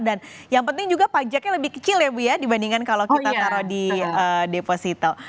dan yang penting juga pajaknya lebih kecil ya bu ya dibandingkan kalau kita taruh di deposito